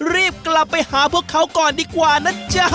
รีบกลับไปหาพวกเขาก่อนดีกว่านะจ๊ะ